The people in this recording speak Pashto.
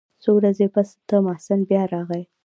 څو ورځې پس ته محسن بيا راغى.